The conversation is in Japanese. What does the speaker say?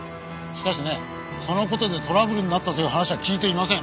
しかしねその事でトラブルになったという話は聞いていません。